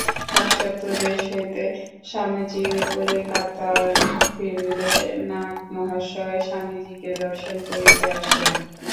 পাশ্চাত্য দেশ হইতে স্বামীজী কলিকাতায় ফিরিলে নাগমহাশয় স্বামীজীকে দর্শন করিতে আসেন।